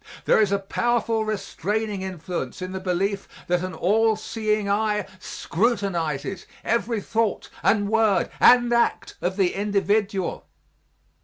There is a powerful restraining influence in the belief that an all seeing eye scrutinizes every thought and word and act of the individual.